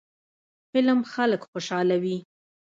فلم خلک خوشحالوي